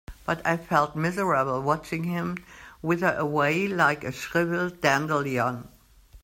But I felt miserable watching him wither away like a shriveled dandelion.